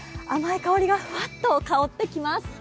甘い香りがふわっと香ってきます。